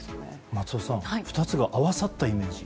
松尾さん２つが合わさったイメージ。